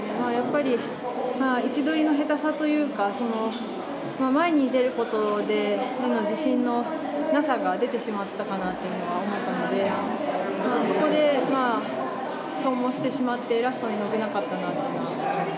位置取りの下手さというか、前に出ることへの自信のなさが出てしまったかなというのは思ったので、そこで消耗してしまってラストに伸びなかったなというのはあります。